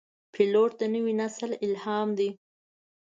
پیلوټ د نوي نسل الهام دی.